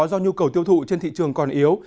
do nhu cầu tiêu thụ trên thị trường còn yếu